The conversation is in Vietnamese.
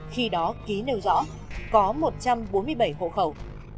khi đó ký nêu rõ có một trăm bốn mươi bảy hộ khẩu